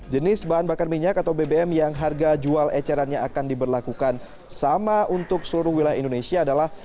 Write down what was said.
jenis bahan bakar minyak atau bbm yang harga jual ecerannya akan diberlakukan sama untuk seluruh wilayah indonesia adalah